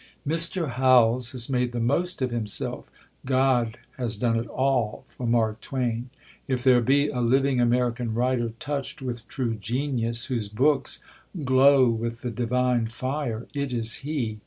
Mr. Howells has made the most of himself; God has done it all for Mark Twain. If there be a living American writer touched with true genius, whose books glow with the divine fire, it is he.